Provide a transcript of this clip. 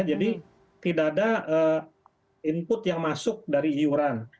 jadi tidak ada input yang masuk dari yuran